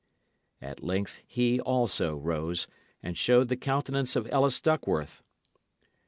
At length he, also, rose, and showed the countenance of Ellis Duckworth.